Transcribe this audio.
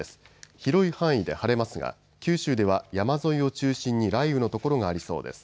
広い範囲で晴れますが九州では山沿いを中心に雷雨の所がありそうです。